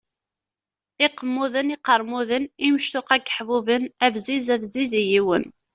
Iqemmuden, iqeṛmuden, imectuqa n yiḥbuben, abziz, abziz i yiwen.